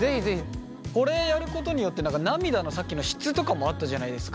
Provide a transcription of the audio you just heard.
これやることによって何か涙のさっきの質とかもあったじゃないですか。